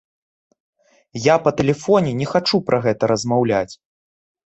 Я па тэлефоне не хачу пра гэта размаўляць.